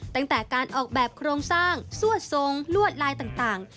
ตั้งแต่การออกแบบโครงสร้างซั่วทรงลวดลายต่าง